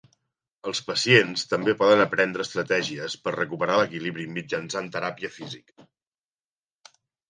Els pacients també poden aprendre estratègies per recuperar l'equilibri mitjançant teràpia física.